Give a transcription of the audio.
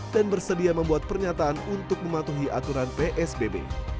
dan bersedia membuat pernyataan untuk mematuhi aturan psbb